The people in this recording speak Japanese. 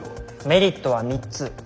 メリットは３つ。